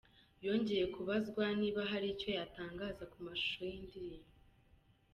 Yongeye kubazwa niba hari icyo yatanngaza ku mashusho yindirimbo.